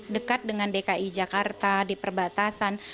dekat dengan dki jakarta di perbatasan